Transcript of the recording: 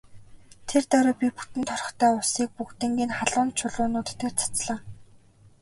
Тэр даруй би бүтэн торхтой усыг бүгдийг нь халуун чулуунууд дээр цацлаа.